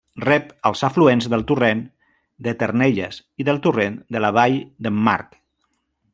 Rep els afluents del torrent de Ternelles i del torrent de la Vall d'en Marc.